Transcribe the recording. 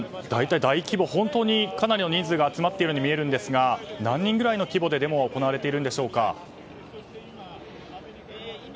大規模、かなりの人数が集まっているように見えるんですが何人ぐらいの規模でデモは行われているんでしょうか。